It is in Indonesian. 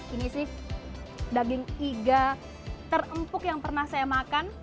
ini sih daging iga terempuk yang pernah saya makan